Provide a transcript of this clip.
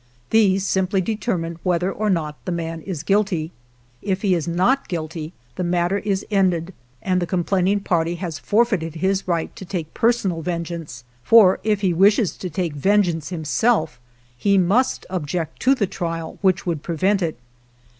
These simply determine whether or not the man is guilty. If he is not guilty the mat ter is ended, and the complaining party has forfeited his right to take personal ven geance, for if he wishes to take vengeance himself, he must object to the trial which would prevent it.